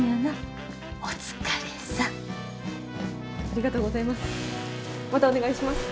ありがとうございます。